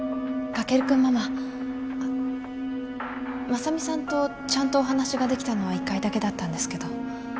雅美さんとちゃんとお話ができたのは１回だけだったんですけど。